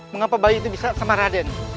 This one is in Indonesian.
mengapa bayi itu bisa semaraden